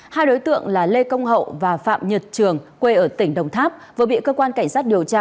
hai đối tượng là lê công hậu và phạm nhật trường quê ở tỉnh đồng tháp vừa bị cơ quan cảnh sát điều tra